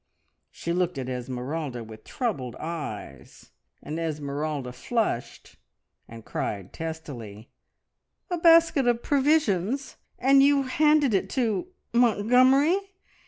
She looked at Esmeralda with troubled eyes, and Esmeralda flushed, and cried testily "A basket of provisions, and you handed it to Montgomery!